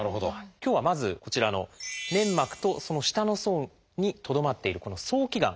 今日はまずこちらの粘膜とその下の層にとどまっているこの早期がん。